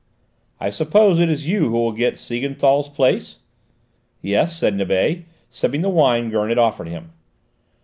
"I suppose it is you who will get Siegenthal's place?" "Yes," said Nibet, sipping the wine Gurn had offered him.